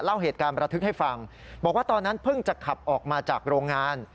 เล่าเหตุการณ์ประทึกให้ฟังบอกว่าตอนนั้นเพิ่งจะขับออกมาจากโรงงาน